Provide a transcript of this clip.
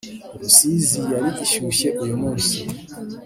Rusizi yari ishyushye uyu munsi